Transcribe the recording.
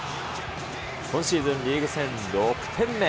今シーズンリーグ戦６点目。